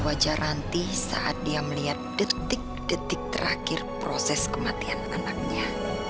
wajah ranti saat dia melihat detik detik terakhir proses kematian anaknya